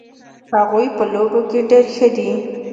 هغوی په لوبو کې ډېر ښه دي